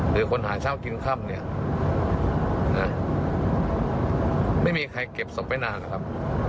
หรือคนหาเช้ากินค่ำเนี่ยนะไม่มีใครเก็บศพไว้นานนะครับ